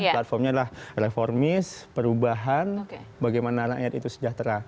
platformnya adalah reformis perubahan bagaimana rakyat itu sejahtera